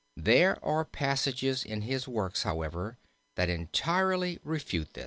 There are passages in his works, however, that entirely refute this.